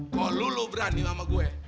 kok lo lo berani sama gue